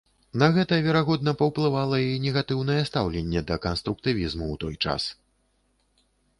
На гэта, верагодна, паўплывала і негатыўнае стаўленне да канструктывізму ў той час.